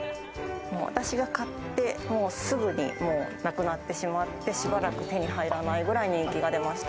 私が買って、すぐになくなってしまって、しばらく手に入らないくらい人気が出ました。